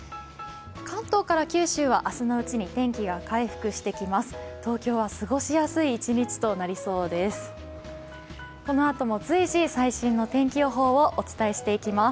関東から九州は明日のうちに天気が回復していきます。